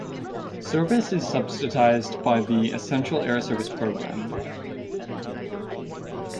Service is subsidized by the Essential Air Service program.